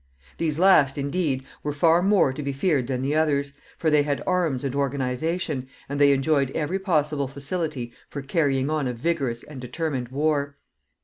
These last, indeed, were far more to be feared than the others, for they had arms and organization, and they enjoyed every possible facility for carrying on a vigorous and determined war.